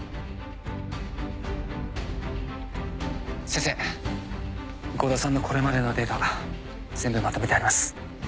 先生郷田さんのこれまでのデータ全部まとめてあります。